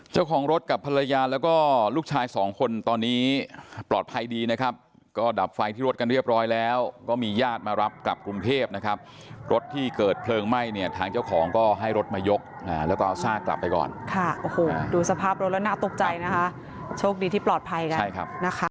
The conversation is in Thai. เจ้าของรถกับภรรยาแล้วก็ลูกชาย๒คนตอนนี้ปลอดภัยดีนะครับก็ดับไฟที่รถกันเรียบร้อยแล้วก็มียาดมารับกลับกรุงเทพนะครับรถที่เกิดเพลิงไหม้เนี่ยทางเจ้าของก็ให้รถมายกแล้วก็ซากกลับไปก่อนดูสภาพรถแล้วน่าตกใจนะคะ